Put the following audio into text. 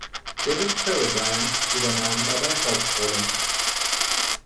David Carradine übernahm dabei Hauptrollen.